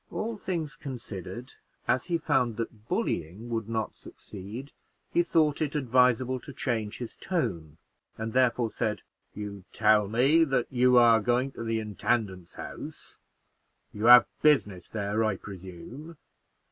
All things considered, as he found that bullying would not succeed, he thought it advisable to change his tone, and therefore said, "You tell me that you are going to the intendant's house; you have business there, I presume?